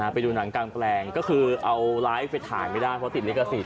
ไปดูหนังกลางแปลงก็คือเอาไลฟ์ไปถ่ายไม่ได้เพราะติดลิขสิท